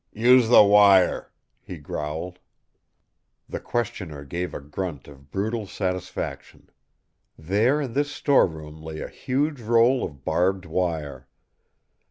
"Use the wire," he growled. The questioner gave a grunt of brutal satisfaction. There in this storeroom lay a huge roll of barbed wire.